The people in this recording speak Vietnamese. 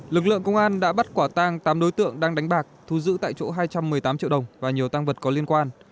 lực lượng công an đã bắt quả tang tám đối tượng đang đánh bạc thu giữ tại chỗ hai trăm một mươi tám triệu đồng và nhiều tăng vật có liên quan